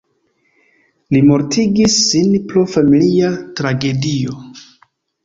Li mortigis sin pro familia tragedio.